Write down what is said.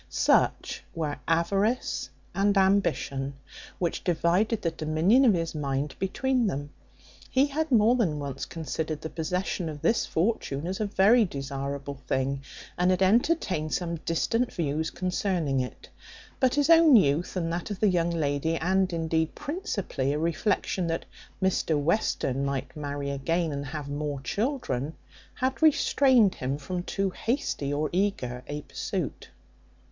Such were avarice and ambition, which divided the dominion of his mind between them. He had more than once considered the possession of this fortune as a very desirable thing, and had entertained some distant views concerning it; but his own youth, and that of the young lady, and indeed principally a reflection that Mr Western might marry again, and have more children, had restrained him from too hasty or eager a pursuit.